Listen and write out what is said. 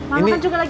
mama kan juga lagi